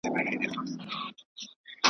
که امریکا ده که انګلستان دی .